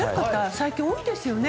最近多いですよね。